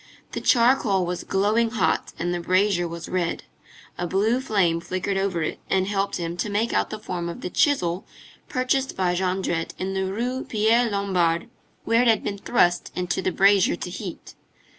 The charcoal was glowing hot and the brazier was red; a blue flame flickered over it, and helped him to make out the form of the chisel purchased by Jondrette in the Rue Pierre Lombard, where it had been thrust into the brazier to heat.